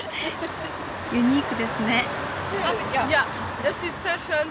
ユニークですね。